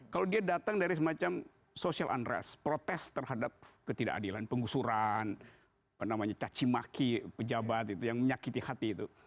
kalau dia datang dari semacam social unress protes terhadap ketidakadilan penggusuran cacimaki pejabat itu yang menyakiti hati itu